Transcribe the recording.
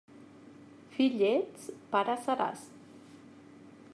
Fill ets, pare seràs.